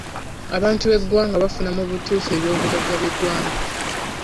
Abantu b'eggwanga bafuna mu butuufu eby'obugagga by'eggwanga.